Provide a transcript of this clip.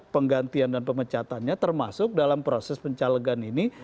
penggantian dan pemecatannya termasuk dalam proses pencalegan ini